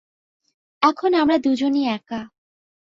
এখন আমরা দুজনই একা।